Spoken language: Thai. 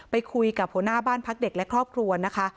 ไปคุยกับหัวหน้าบ้านพักเด็กและครอบครัวนะคะ